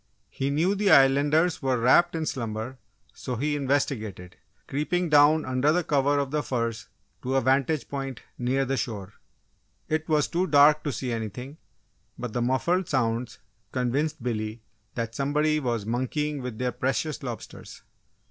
He knew the Islanders were wrapped in slumber so he investigated, creeping down under cover of the firs to a vantage point near the shore. It was too dark to see anything, but the muffled sounds convinced Billy that somebody was "monkeying" with their precious lobsters.